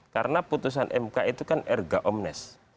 karena putusan mk itu kan erga omnes